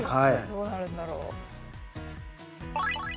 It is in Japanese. どうなるんだろう。